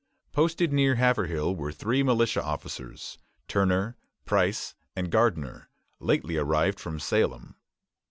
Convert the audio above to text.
Posted near Haverhill were three militia officers, Turner, Price, and Gardner, lately arrived from Salem.